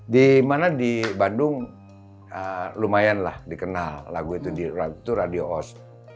dimana di bandung lumayan lah dikenal lagu itu di radio os